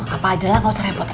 aduh apa ajalah mau serepotin ya